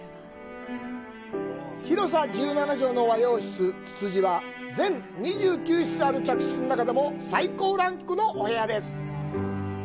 広さ１７畳の和洋室つつじは全２９室ある客室の中でも最高ランクのお部屋です。